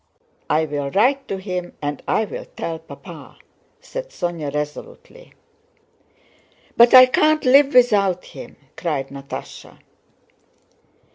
I will write to him, and I will tell Papa!" said Sónya resolutely. "But I can't live without him!" cried Natásha.